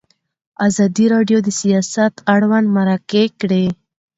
ازادي راډیو د سیاست اړوند مرکې کړي.